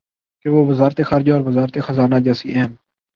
کہ وہ وزارت خارجہ اور وزارت خزانہ جیسی اہم